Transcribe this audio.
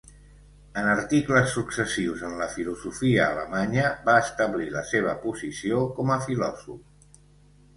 En articles successius en la filosofia alemanya va establir la seva posició com a filòsof.